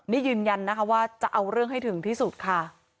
นี่ยืนยันนะคะว่าจะเอาเรื่องให้ถึงที่สุดค่ะ